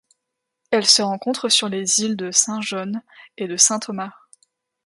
Elle se rencontre sur les îles de Saint John et de Saint Thomas.